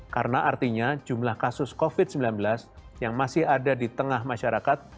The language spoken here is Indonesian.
karena artinya jumlah kasus covid sembilan belas yang masih ada di tengah masyarakat